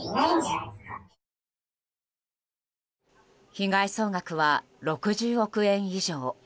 被害総額は６０億円以上。